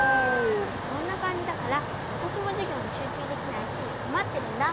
そんなかんじだからわたしもじゅぎょうにしゅうちゅうできないしこまってるんだ。